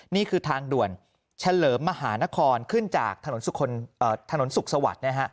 นี่คือทางด่วนเฉลิมมหานครขึ้นจากถนนสุขสวัสดิ์นะฮะ